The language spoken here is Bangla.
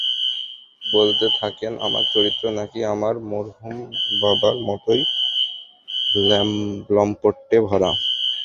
বলতে থাকেন আমার চরিত্র নাকি আমার মরহুম বাবার মতোই লাম্পট্যে ভরা।